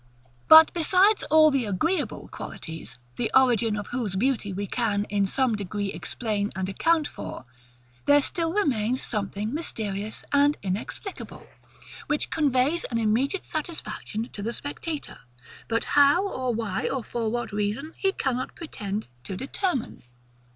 But besides all the AGREEABLE qualities, the origin of whose beauty we can, in some degree, explain and account for, there still remains something mysterious and inexplicable, which conveys an immediate satisfaction to the spectator, but how, or why, or for what reason, he cannot pretend to determine.